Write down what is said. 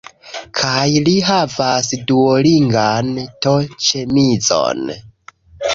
Kaj li havas Duolingan to-ĉemizon